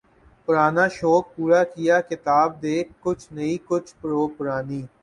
پرانا شوق پورا کیا ، کتاب دیکھ ، کچھ نئی ، کچھ و پرانی